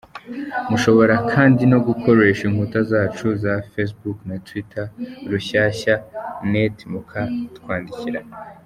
Mushobora kandi no gukoresha Inkuta zacu za Facebook na Twitter:rushyashya.net mukatwandikira.